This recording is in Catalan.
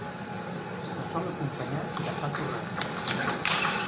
Se sol acompanyar de pa torrat.